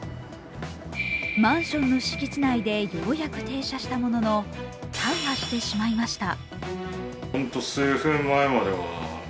マンションの敷地内で、ようやく停車したものの、大破してしまいました。